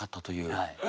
はい。